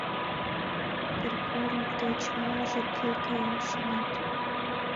— Кыргорий деч молыжо кӧ кая, шонет.